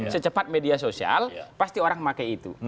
secepat media sosial pasti orang pakai itu